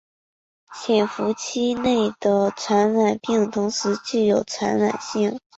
潜伏期内的传染病同样具有传染性。